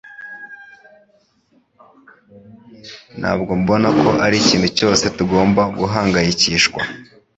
Ntabwo mbona ko arikintu cyose tugomba guhangayikishwa